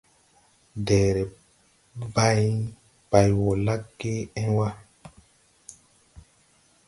Deere bàyn bay wɔ lagge en wa.